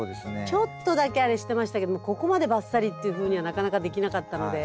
ちょっとだけあれしてましたけどもここまでバッサリっていうふうにはなかなかできなかったので。